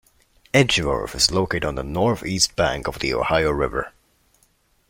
Edgeworth is located on the northeast bank of the Ohio River.